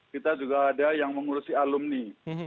kita juga ada yang mengurusi alumni